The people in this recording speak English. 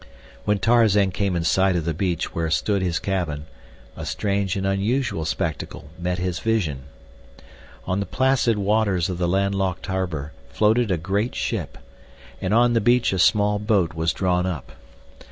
When Tarzan came in sight of the beach where stood his cabin, a strange and unusual spectacle met his vision. On the placid waters of the landlocked harbor floated a great ship, and on the beach a small boat was drawn up.